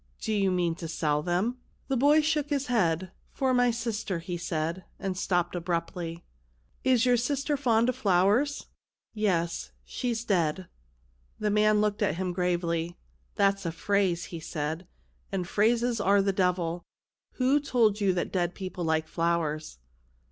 Do you mean to sell them ?" The boy shook his head. " For my sister," he said, and stopped abruptly. " Is your sister fond of flowers ?"" Yes ; she's dead." 160 CHILDREN OF THE MOON The man looked at him gravely. "That's a phrase," he said, "and phrases are the devil. Who told you that dead people like flowers